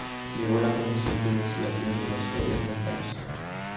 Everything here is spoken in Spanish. Llevó la Comisión de investigación de los Eres de Andalucía.